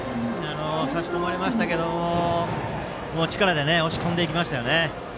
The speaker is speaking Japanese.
差し込まれましたけど力で押し込んでいきました。